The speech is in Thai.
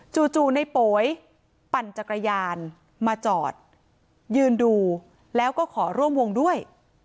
จู่ในโป๋ยปั่นจักรยานมาจอดยืนดูแล้วก็ขอร่วมวงด้วย